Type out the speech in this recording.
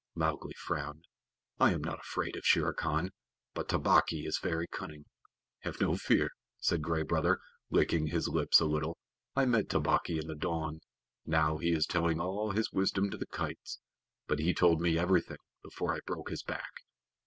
Mowgli frowned. "I am not afraid of Shere Khan, but Tabaqui is very cunning." "Have no fear," said Gray Brother, licking his lips a little. "I met Tabaqui in the dawn. Now he is telling all his wisdom to the kites, but he told me everything before I broke his back.